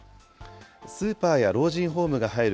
スーパーや老人ホームが入る